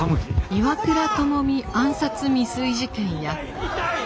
岩倉具視暗殺未遂事件や。